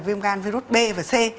viêm gan virus b và c